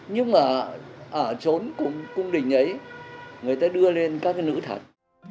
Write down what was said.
nhưng mà ở chốn cung đình ấy người ta đưa lên các nữ thật